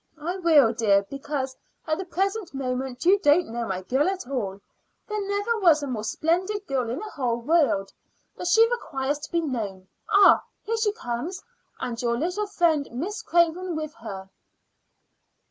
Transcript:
"I will, dear, because at the present moment you don't know my girl at all. There never was a more splendid girl in all the world, but she requires to be known. Ah! here she comes, and your little friend, Miss Craven, with her."